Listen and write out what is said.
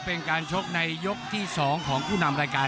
เป็นการชกในยกที่๒ของผู้นำรายการ